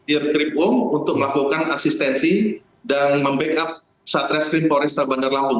irkrip om untuk melakukan asistensi dan membackup satreskrim pores ta bandar lampung